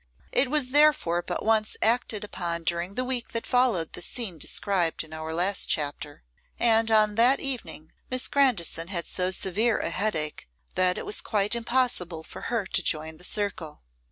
It was therefore but once acted upon during the week that followed the scene described in our last chapter, and on that evening Miss Grandison had so severe a headache, that it was quite impossible for her to join the circle.